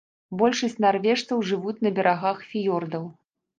Большасць нарвежцаў жывуць на берагах фіёрдаў.